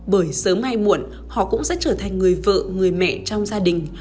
bởi sớm hay muộn họ cũng sẽ trở thành người vợ người mẹ trong gia đình